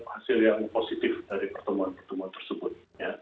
hasil yang positif dari pertemuan pertemuan tersebut